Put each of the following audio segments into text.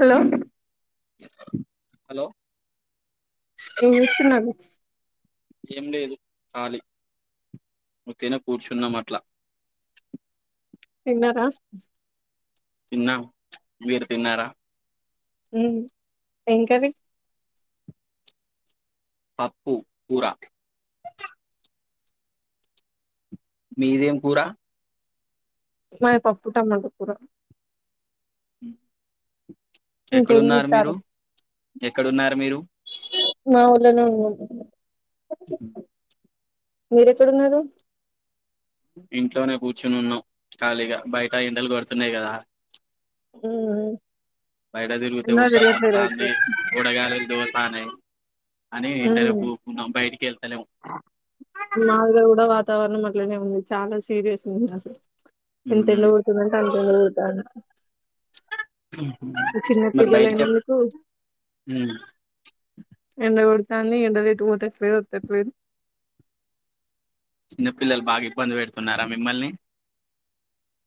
Hello hello ఏం స్తున్నాది ఏం లేదు కాలి ఒకనే కూర్చున్నా అట్లా తిన్నారా తిన్నా మీరు తిన్నారా ఏం కర్రి పప్పుూ కూర మీదేం కూర మాది పప్పు టమాటా కూర హ ఇంకేం ఎక్కడున్నారు మీరు చేస్తారు ఎక్కడున్నారు మీరు మా ఊర్లోనే మీరు ఎక్కడు ఉన్నారు ఇంట్లోనే కూర్చుని ఉన్నాం ఖాళీగా బయట ఎండలు కొడుతున్నాయి కదా ఊ హూ హు బయట తిరిగితే ఉడక పోతాంది [inaudible] అని ఇంట్ల నే కూకున్నాం బయటకి వెళ్తలే మాదిగా కూడా వాతావరణం అట్లనే ఉంది చాలా సీరియస్ ఉంది అసలు ఎంత ఎండ ఉమ్. కొడుతుంది అంటే అంత ఎండ కొడుతుంది ఆ చిన్న మరి బయటికి పిల్లలైనందుకు ఉమ్. ఎండగోడు తంది ఎండలు ఎటు పోతే పోయితే పోయి రా చిన్నపిల్లలు బాగా ఇబ్బంది పెడుతున్నారా మిమ్మల్ని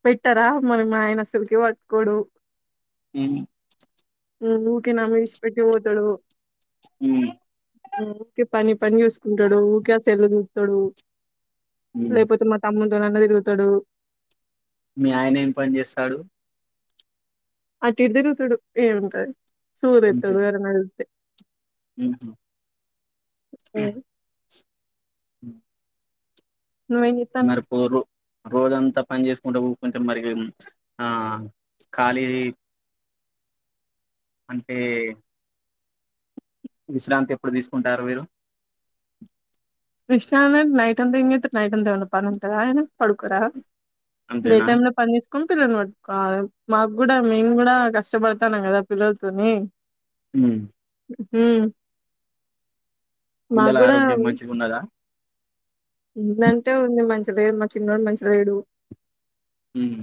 పెట్టారా మనం ఆయన అసలుకి పట్టుకోడు ఉమ్ ఊకే నా మీద విడిచిపెట్టి పోతాడు హూ మ్ ఊకే పని పని చూసుకుంటాడు ఊకే సెల్లు చూస్తాడు ఉమ్. లేపోతే మా తాము గా తిరుగుతాడు మీ ఆయన ఏం పని చేస్తాడు అటు ఇటు తిరుగుతుడు ఏముంటది సూర్ ఇ తడు వేర నతే హూ హు ఉమ్. మ్ నువ్వేం జెత్తానావ్ రోజంతా పని చేస్కుంట కూకుంటే మరింగ్ ఆ ఖాళీ అంటే విశ్రాంతి ఎప్పుడు తీసుకుంటారు మీరు విశ్రామెంట్ నైట్ అంత ఏం జెత్తర్ నైట్ అంతా ఏమన్నా పనుంటదా పడుకోరా డే అంతేనా టైమ్ లో పని చేసుకున్ పిల్లల్నోడ్ కాదు మాగ్గుడా మేం గు కష్టపడతానం గదా పిల్లలతోని మ్మ్ మ్మ్ పిల్లల ఆరోగ్యం మంచిగున్నదా నంటే ఉంది మంచి లేరు మా చిన్నోడు మంచి లేడు హ్మ్మ్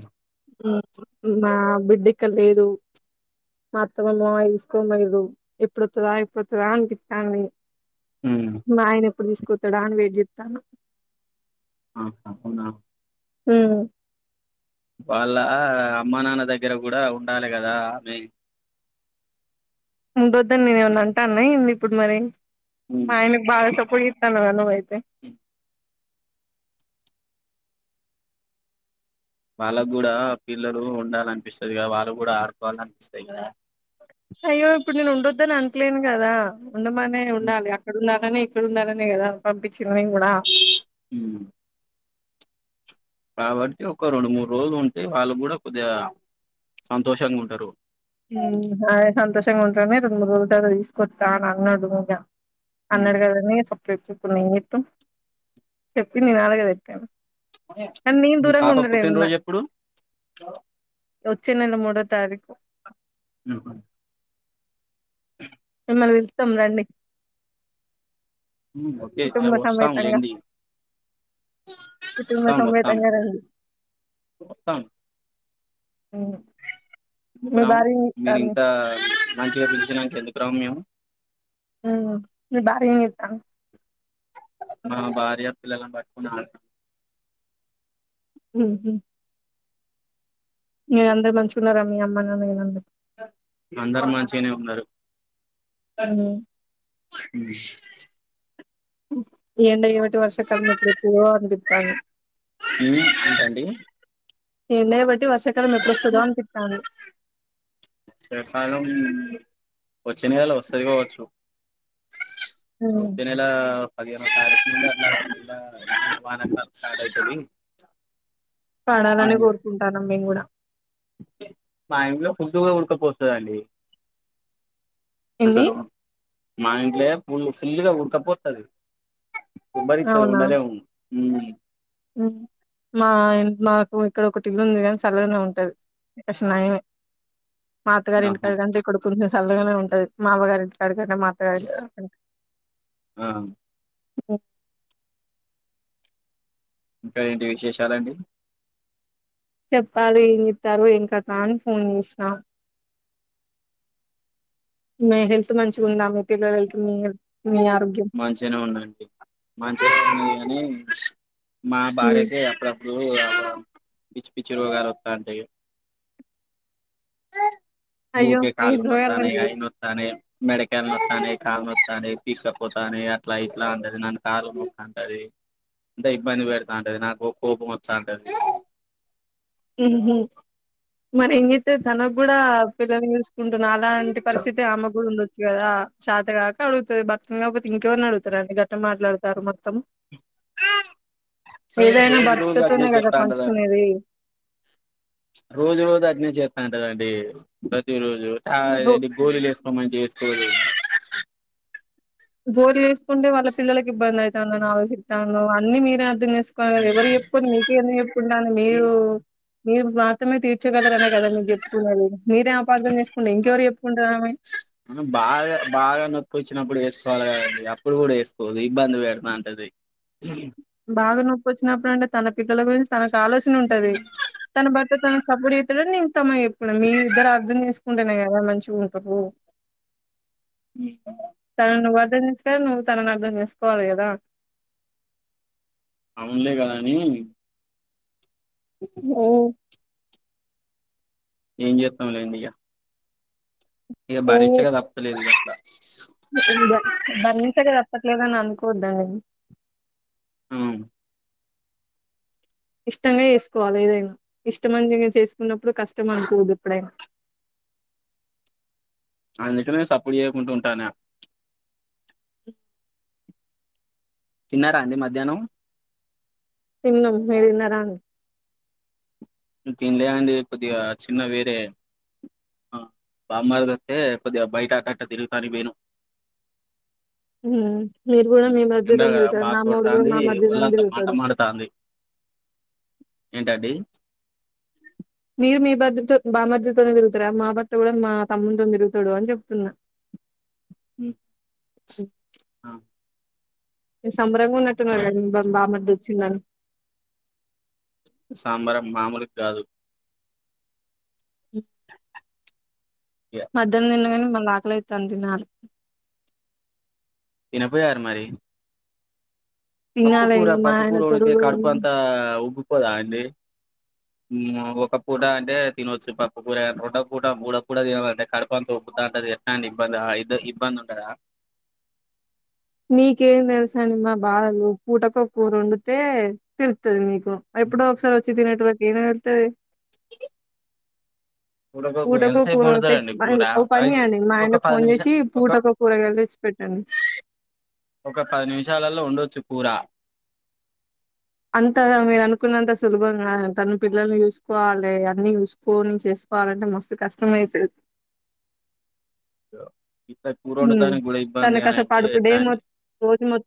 మ్మ్ మా బిడ్డిక్కడ్ లేడు మాఅత్త మా మామయ్య తీసుకోన్పొయ్యిర్రు ఎప్పుడొత్తదా ఎప్పుడొత్తదా అన్పిత్తాంది నాయన ఎప్పుడు దీస్ కుత్తడా అని వెయిట్ జెత్తనా ఆహా అవునా హ్మ్ వాళ్ళ అమ్మ నాన్న దగ్గర గూడా ఉండాలె గదా ఆమె ఉండొద్దని నేనేమన్నా అంటాన్నా ఎందిప్పుడు మరి ఆయనకి బాగా సప్ పొయ్యితాల్లు వల్లబాయ్ రే వాళ్ళగూడా పిల్లలు ఉన్ ఉండాలన్పిస్తది గద వాళ్ళు గూడా ఆడుకోవాలన్పిస్తది గదా అయ్యో ఇప్పుడు నేను ఉండొద్దని అంట్లేను గదా ఉండమనే ఉండాలి అక్కడున్న లనే ఇక్కడుండాలనే గదా పంపిచ్చింద్ మేం గుడా కాబట్టి ఒక రెండు మూడు రోజులు ఉంటే వాళ్ళగుడా కొద్దిగా సంతోషంగా ఉంటారు. మ్మ్ అదే సంతోషంగుంట్రనే రెండు మూడు రోలు తన దీస్కొత్తా అనన్నాడు ఇగ అన్నడు గద నీసం పెప్పిప్పుడు ఏం జెత్తం చెప్పింది గాదుగదిక్క మీ పాప పుట్టిన్ రోజెప్పుడు వచ్చే నెల మూడో తారీకు మ్మ్ హు మనం వెళ్తాం రండి ఓకే కుటుంబ వస్తాం సమేతంగా లేండి కుటుంబ వస్తాం వస్తాం సమేతంగా రండి వస్తాం మీ ఎందుకురాం భార్యని మీరు పిలుత్తాను ఇంత మంచిగా పలిచినక రమ్యం మ్ మీ భార్య ని ఇతాను మా భార్య పిల్లలను పట్టుకుని ఆడ మ్ హు మీరందరూ మంచుకున్నారా మీ అమ్మానాన్న అందరు మంచిగానే ఉన్నారు హలో ఇ ఏందటి వర్ష కాలంలో ప్ర అంది తా ఏంటి అండి ఎనే బట్ వర్షాకాలం లో ప్రస్తుతం అని చెప్పాను రేపారం వచ్చే నెల సై బవచ్చు ఉమ్ వచ్చే నెల పదిహేను తారీకు వానకాలం కాయితుడి పడాలని కోరుకుంటానం మేము కూడా మా ఇంట్లో ఫుడ్దు గా ఉడకపొత్తదండి ఏంది అసలు మా ఇంట్లో ఎప్పుడూ చూసిన ఉడకపోతుంది బరిద్దరు అవునా ఉండలేం ఉమ్ మా మాకి ఇక్కడ ఒకటిళ్ళుంది కాని చల్గానే ఉంటది క నయమే మాత్తగారింటి కాడికి కంటే ఇక్కడ చల్లగానే ఉంటుంది మా అమ్మ గారి ఇంటి కాడ అే మా అత్త గారింటి కాడ ఆహా ఓ ఇంకా ఏంటి విశేషాలండి చెప్పాలీ ఏం చెత్తరు ఏం కత అని ఫోన్ చేసినా మీ హెల్త్ మంచిగుంద మీ పిల్లల హెల్త్ మీ హెల్ మంచిగానే ఉన్నాండి మంచిగానే ఉన్నాది కానీ మా భార్యకే అప్పుడప్పుడు పిచ్చిపిచ్చి రోగాలు వత్తాంటాయి అయ్యో ఊకే కాలు నోత్తనై ఏందో అయి నోత్తనై మెడకాయల్ నోత్తనై కాల్ నోత్తనై తీసుకపోతానై అట్లా ఇట్లా అంటది నన్ను కార్ల పం అంటది అంటే ఇబ్బంది పెడతా ఉంటది నాకు కోపం వస్తా ఉంటది ఉహు మరి ఏం చేత్తది తన కూడా పిల్లల్ని చూస్ ఉంటున్నా అలాంటి పరిస్థితి ఆమె కూడా ఉండొ గదా చాతగాక అడుగుతది భర్తని కాకపోతే ఇంకెవరిని అడుగుతారండి గట్ట మాట్లాడతారు మొత్తం ఏదైనా రోజు రోజు అట్నే భర్తతోనే కదా చేస్తాంటదండి పంచుకునేది రోజు రోజు అట్నే చేస్తా అంటదండి ప్రతి రోజూ టా రో గోళీలు వేసుకోమంటే వేసుకోదు గోళీల్ వేసుకుంటే వాళ్ళ పిల్లలక్ ఇబ్బంది అయితాంది అని వేసుకోదు ఆలోచిత్తన అన్ని మీరే అర్థం చేస్ తీసుకో కదా ఎవరు చెప్పుని మీకుేందు చెప్పున్నాను మీరు మీరు మాత్రమే తీర్చగలరనే కదా మీకు చెప్తున్నది మీరే అపార్థం చేసుకుంటే ఇంకెవరు చెప్పుకుంటది ఆమె ఒచ్చినప్పుడే చాగాడి అప్పుడు కూడా చేస్ పోదు ఇబ్బంది పెేడదంటది బాగా నొప్పోచ్చినప్పుడు అంటే తన పిల్ల గురిం తనకు ఆలోచన ఉంటది తన బట్ త సబుడి ఇయితు న ఇస్తమ ఎప్పుడు మీరు ఇద్దరు అర్ం చేసు ఉంటనే కదా మంచిగుంటవు ఇ అర్ధంచేసుకోవ్ నువ్వు తన అర్థం చేసుకోవాలి కదా అవునులే కదా అని హ్మ్ ఏం చేస్తాంలేండి ఇగ ఏ తప్పలేదు ఇక అట్లా బరించక తప్ అట్లగానె అనుకోద్దాది ఆ ఇష్టమే చేసుకోవాలి ఏదైనా ఇష్టమంత చేసు ఉన్నప్పుడు కష్టం అనుకోవద్దు ఇప్పుడైన అందుకనేే సప్పుడు చేయకుంటా ఉంటానా ఇ తిన్నారా అండి మధ్యాహ్నం తిన్నం మిరు తిన్నారా అండి తినలే అండి కొద్దిగా చిన్న వేరే బామ్మార్ది వత్తే కొద్దిగా బయట ఆ గట్ట తిరుగుతానికి పోయినమ్ ఉహూ మీరు కూడా మీ ఎండ మధ్యతో కదా తిరుగుతారు బాగా నా మెుగుడు కూడా కొడతాంది మా మధ్యలోనే ఒళ్ళంతా మంట తిరుగుతాడు మండుతాంది ఏంటండి మీరు మీ భర్త తో బామార్ధితోనే తిరుగుతరా మా భర్త కూడా మా తమ్మునితోని తిరుగుతడు అని చెప్తున్నా ఆ సంభరంన్నట్ బామ ద చిింద సాంబారం మామూలు కాదు [unintelligible] మధ్యన తిన్నగని మ మళ్ళ ఆకలి అయితంది నాలు తిన పోయారా మారి పప్పు తినాలే కూూర ఇగ మా పప్పు ఆయన కూూర తోడు ఉడితే కడుపు అంతా ఉగుపోదా అండి ఒక పూట అంటే తినచ్చు పప్పు కూూర రెండో పూట మూడ పూట తినాలంటే కడప తకుతాంటది ఎస్ాండ్ ఇబ్బంది ఇ ఇబ్బంది ఉండదా మీకేం తెలుసాని మా బాధలు పూటకో కూర వండితే తెలుస్తుంది మీకు ఎప్పుడు ఒకసారి తు చి తినేటోళ్లకి ఏం తెలుస్తుంది ఉడకకు పూటకో ఎంతసేపు కూర అంటే వండుతారండి కూర ఓ పని అయి చేయండి మా ఒక ఆయనకు పది ఫోన్ నిమిష చేసి ఒక పూటకో కూరగాయ తెచ్చి పెట్టండి కూరా అంత మీరు అనుకున్నంత సులభంగా తను పిల్లల్ని చూసుకోవాలి అన్న చూసుకోని చేసుకోవాలంటే మస్తు కష్టమ అయితుంది అ ఇస్తారి కూర్ ఉండడానికి కూడా ఇబ్బంది అని అంటే ఎట్టా అండి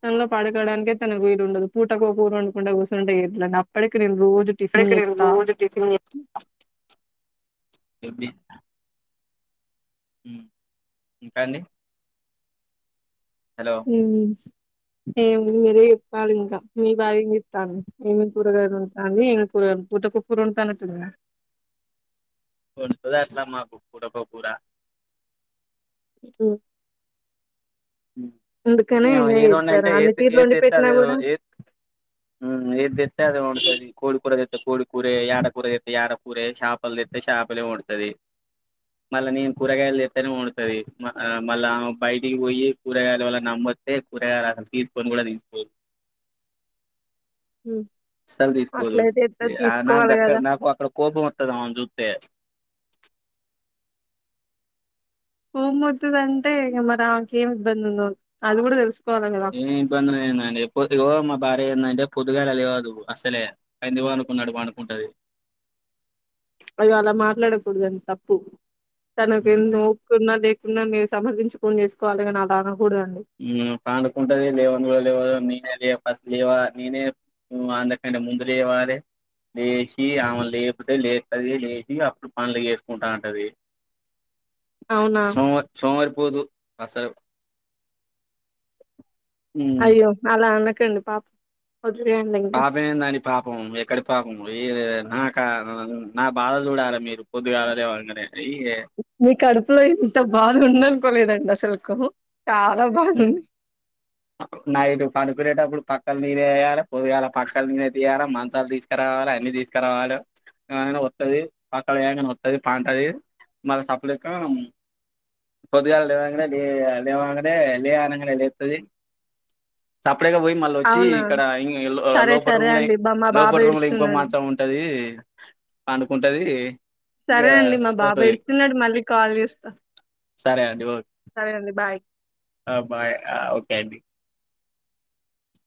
తనలో పడుకోడానికే తనకు వీలు ఉండదు పూటకో ఓ కూర వండుకుంటా కూసుంటే ఎట్లా అప్పటిక నేను రోజ [unintelligible] ఏంది హు ఇంకాండి మ్మ్ ఏముంది మీరే చెప్ చాలింక మీ బావ ఏం చేస్తాండు ఏం లేదు కూరగాయ కోతండు ఏమి కూర పూటకు కూర ఉంటానట్టుంద వండుతాది అట్లా మాకు పూటకో కూర హు ఏది చేత్తారు ఉన్నాంటే అన్ని ఏది తీర్లు వండి ఏదిస్త పెట్టినా అది కూడా ఏ ఏదిస్త అది ఉంటంది కోడి కూర కోడి కూరే యాట కూరే యాట కూరే చాపలు తెత్తే చాపలే వండుతది మళ్ళా నేను కూరగాయలు తెత్తనే వండుతది మళ్ళా బయటికి పోయి కూరగాయలు వాల్ల నమ్మొస్తే కూరగాయలు అసలు తీసుకొని కూడా తీసుకోదు అస్సలు తీసుకోదు అట్లయితే ఎట్లా ఆ నాకు తీసుకోవాలి గాక్కడ కదా నాకు అక్కడ కోపం వత్తది ఆమని చూస్తే కోపం వత్తిది అంటే మరి ఆమెకు ఏం ఇబ్బంది ఉందో అది కూడా తెలుసు ఏ ఇప్పందిందండి ఎప్పు ఇగో మా భార్య ఎందంటే పొద్దుగాల లేవదు అసలే పంది వండుకున్నట్టు వండుకుంటాది అది అలా మాట్లాడకూడదండి తప్పు తనకు ఉమ్ ఎం లే కు నా లే క్ ఉన్నా మీరు సమర్ధించుకొని చేసుకోవాలి కదా అలా అనకు ఉమ్ పనుకుంటది లేవను కూడా లేవదు నీకు ఏంటి చే ఫస్ట్ లేవా నేనే ఊ అందకంటే ముందు లేవారే లేచి ఆమెలు లేపోతే లేపుది లేచి అప్పుడు పనులు వేసుకుంటా ఉంటది అవునా సోమ సోమరి సోమరిపోతూ అసలు ఉమ్, అయ్యో అలా అన్న ఇగొండి పాప పాపే దాని పాపం ఎక్కడి పాపం ఉ నాకా నా బాధలు చూడాలే మీరు పొద్దుగాల లేవంగనే మీ కడుపులో ఇంత బాధ ఉండనుకోలేదండి అసలు కహో చాలా బావుంది నైట్ పనికునేటప్పుడు పక్కల మీరే వేయాలి పోదిగాల పక్కల నేనే తీయాలా మంచలు తీసుకురావాలి అన్ని తీసుకురావాలి ఏ వస్తుది పక్కల ఏనా వస్తుంది పంటది మళ్ళ సప్ల పొదుగలే లే లే లే ఎ లే అనగానై లేపుతుంది ఇప్పుడేగా పోయి మళ్ళీ వచ్చి అవునా ఇక్కడ సరే లోపల సరే రూమ్లో అండి బా మా బాబు లోపల రూమ్లో ఇంకో ఏడుస్తున్నాడు మంచ ఉంటది పనుకుంటుంది ఇక సరే అండి మా బాబు పోతుంది ఏడుస్తున్నాడు మళ్ళీ కాల్ చేస్తా సరే అండి ఓకే సరే అండి బాయ్ బాయ్ ఓకే అండి